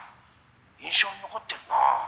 印象に残ってるなぁ。